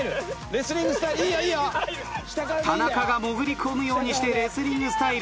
田中が潜り込むようにしてレスリングスタイル。